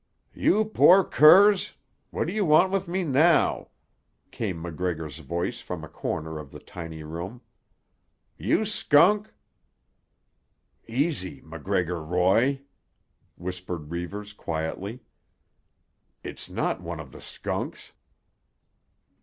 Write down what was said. "You poor curs! What do you want with me now?" came MacGregor's voice from a corner of the tiny room. "You skunk——" "Easy, MacGregor Roy," whispered Reivers quietly. "It's not one of the 'skunks.